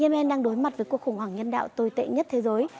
yemen đang đối mặt với cuộc khủng hoảng nhân đạo tồi tệ nhất thế giới